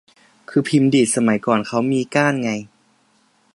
คือพิมพ์ดีดสมัยก่อนเค้ามีก้านไง